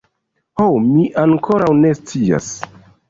Ho, mi ankoraŭ ne scias.